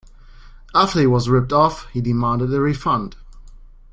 After he was ripped off, he demanded a refund.